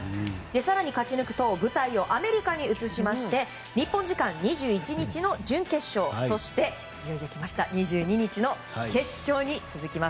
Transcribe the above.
更に勝ち抜くと舞台をアメリカに移しまして日本時間２１日に準決勝そして２２日の決勝に続きます。